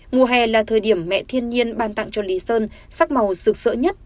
ngùa hè là thời điểm mẹ thiên nhiên ban tặng cho lý sơn sắc màu sực sỡ nhất